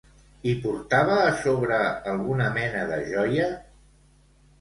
I portava a sobre alguna mena de joia?